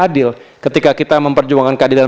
adil ketika kita memperjuangkan keadilan